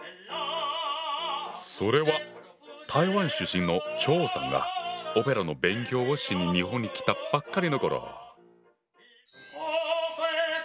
それは台湾出身の張さんがオペラの勉強をしに日本に来たばっかりの頃。